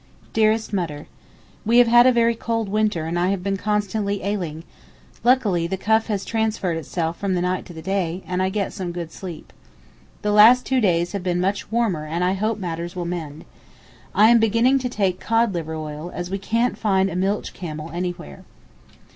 DEAREST MUTTER, We have had a very cold winter and I have been constantly ailing, luckily the cough has transferred itself from the night to the day, and I get some good sleep. The last two days have been much warmer and I hope matters will mend. I am beginning to take cod liver oil, as we can't find a milch camel anywhere.